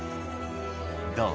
「どう？